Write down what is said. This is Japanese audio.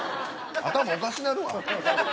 頭おかしなるわ。